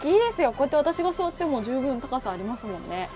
こうやって私が座っても十分高さありますもんね。